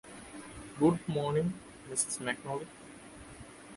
Good morning, Mrs McNally.